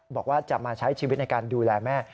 บอกว่าจะมาใช้ชีวิตในการดูแลแม่